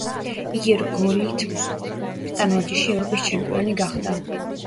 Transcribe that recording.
იგი რგოლით ტანვარჯიშში ევროპის ჩემპიონი გახდა.